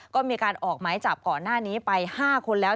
ก็มีการออกหมายจับก่อนหน้านี้ไป๕คนแล้ว